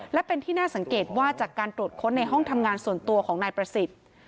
และเป็นที่น่าสังเกตว่าจากการตรวจค้นในห้องทำงานส่วนตัวของนายประสิทธิ์